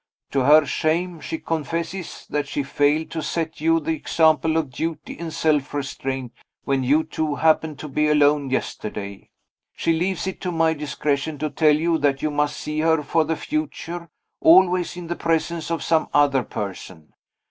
To her shame she confesses that she failed to set you the example of duty and self restraint when you two happened to be alone yesterday. She leaves it to my discretion to tell you that you must see her for the future, always in the presence of some other person.